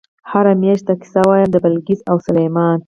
"هر مېږي ته قصه وایم د بلقیس او سلیمان".